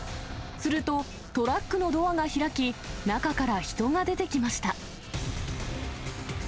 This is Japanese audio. すると、トラックのドアが開き、中から人が出てきました。